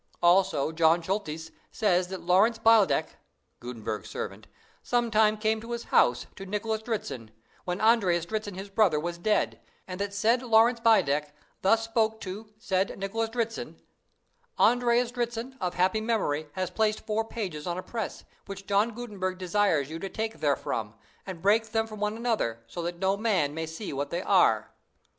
"Also John Schultheiss says that Laurence Beildeck [Gutenberg's servant] sometime came to his house to Nicholas Dritzhn, when Andreas Dritzhn his brother was dead, and that the said Laurence Beildeck thus spoke to said Nicholas Dritzhn: 'Andreas Dritzhn, of happy memory, has placed four pages on a press, which John Gutenberg desires you to take therefrom, and break them from one another, so that no man may see what they are.